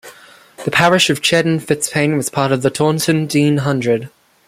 The parish of Cheddon Fitzpaine was part of the Taunton Deane Hundred.